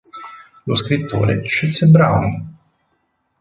Lo scrittore scelse Browne.